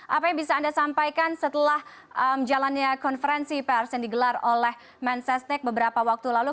apa yang bisa anda sampaikan setelah jalannya konferensi pers yang digelar oleh man sesnek beberapa waktu lalu